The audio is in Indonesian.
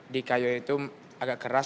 di kayo itu agak keras